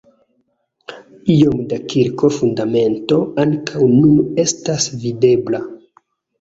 Iom da kirko-fundamento ankaŭ nun estas videbla.